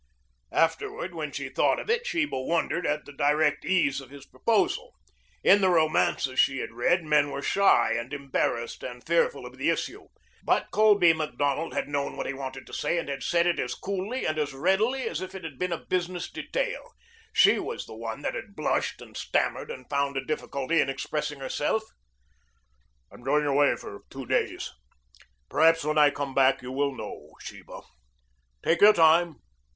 Afterward, when she thought of it, Sheba wondered at the direct ease of his proposal. In the romances she had read, men were shy and embarrassed and fearful of the issue. But Colby Macdonald had known what he wanted to say and had said it as coolly and as readily as if it had been a business detail. She was the one that had blushed and stammered and found a difficulty in expressing herself. "I'm going away for two days. Perhaps when I come back you will know, Sheba. Take your time.